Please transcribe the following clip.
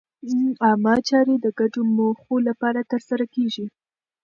عامه چارې د ګډو موخو لپاره ترسره کېږي.